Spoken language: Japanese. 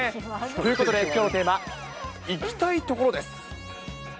ということで、きょうのテーマ、行きたいところです。